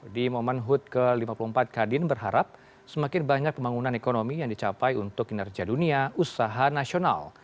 di momen hud ke lima puluh empat kadin berharap semakin banyak pembangunan ekonomi yang dicapai untuk kinerja dunia usaha nasional